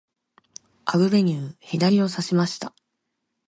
アグベニュー、左をさしました。